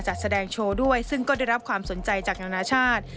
จัดแสดงโชว์ด้วยซึ่งก็ได้รับความสนใจจากนานาชาติ